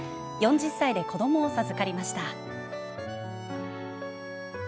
４０歳で子どもを授かりました。